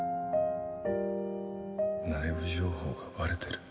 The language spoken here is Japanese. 内部情報がバレてる？